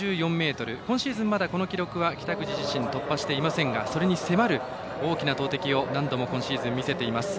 今シーズン、まだこの記録は北口自身突破していませんがそれに迫る大きな投てきを何度も、今シーズン見せています。